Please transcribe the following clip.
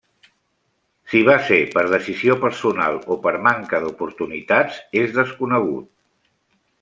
Si va ser per decisió personal o per manca d'oportunitats és desconegut.